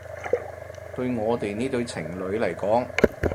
對我哋呢對情侶嚟講